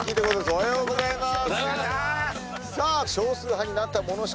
おはようございます。